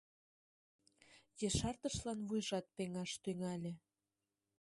Ешартышлан вуйжат пеҥаш тӱҥале.